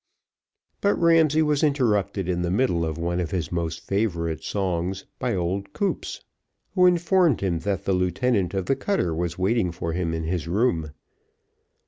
But Ramsay was interrupted in the middle of one of his most favourite songs by old Koops, who informed him that the lieutenant of the cutter was waiting for him in his room.